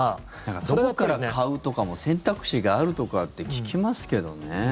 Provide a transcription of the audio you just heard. どこから買うとかも選択肢があるとかって聞きますけどね。